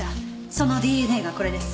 そのＤＮＡがこれです。